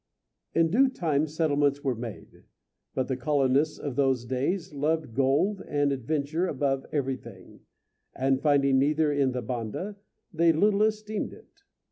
In due time settlements were made; but the colonists of those days loved gold and adventure above everything, and, finding neither in the Banda, they little esteemed it.